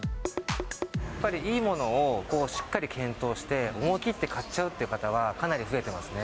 いいものをしっかり検討して、思い切って買っちゃうっていう方はかなり増えてますね。